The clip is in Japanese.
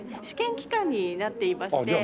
試験期間になっていまして。